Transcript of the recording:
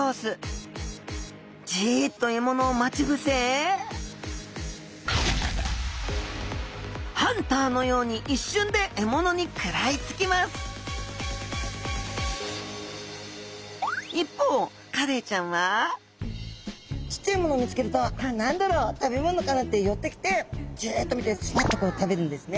じっと獲物を待ち伏せハンターのように一瞬で獲物に食らいつきます一方カレイちゃんはちっちゃい獲物を見つけるとあっ何だろう食べ物かなって寄ってきてジッと見てズバッとこう食べるんですね。